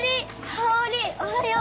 香織おはよう！